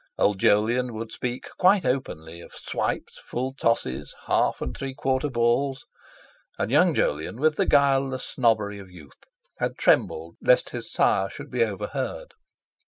Old Jolyon would speak quite openly of swipes, full tosses, half and three quarter balls; and young Jolyon with the guileless snobbery of youth had trembled lest his sire should be overheard.